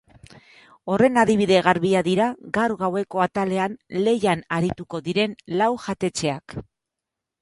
Horren adibide garbia dira gaur gaueko atalean lehian arituko diren lau jatetxeak.